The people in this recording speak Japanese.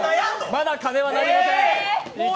まだ鐘は鳴りません。